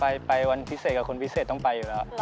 ไปวันพิเศษกับคนพิเศษต้องไปอยู่แล้ว